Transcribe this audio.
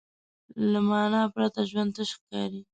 له معنی پرته ژوند تش ښکاري.